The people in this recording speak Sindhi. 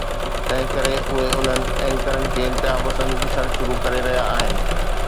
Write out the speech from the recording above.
تنهن ڪري اهي انهن اينڪرز کي انتها پسند ڏسڻ شروع ڪري رهيا آهن.